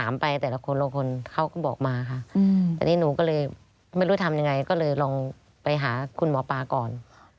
ไม่รู้ทำยังไงก็เลยลองไปหาคุณหมอป้าก่อน